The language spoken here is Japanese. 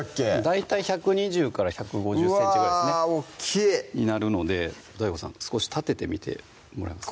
大体１２０１５０ｃｍぐらいですねうわ大っきい！になるのでＤＡＩＧＯさん少し立ててみてもらえますか？